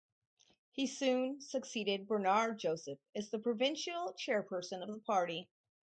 He soon succeeded Bernard Joseph as the Provincial Chairperson of the party.